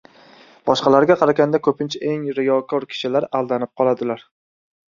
Boshqalarga qaraganda ko‘pincha eng riyokor kishilar aldanib qoladilar.